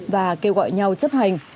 và kêu gọi nhau chấp hành